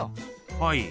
はい。